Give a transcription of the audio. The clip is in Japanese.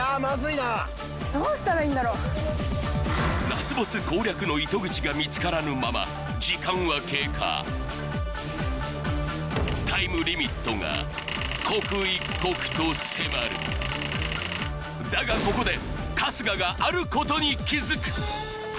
ラスボス攻略の糸口が見つからぬまま時間は経過タイムリミットが刻一刻と迫るだがここで春日があることに気づく